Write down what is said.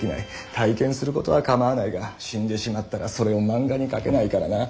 体験することはかまわないが死んでしまったらそれを漫画に描けないからな。